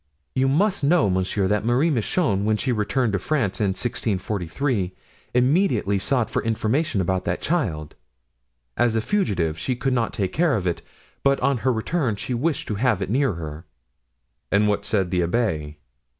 "You must know, monsieur, that Marie Michon, when she returned to France in 1643, immediately sought for information about that child; as a fugitive she could not take care of it, but on her return she wished to have it near her." "And what said the abbé?"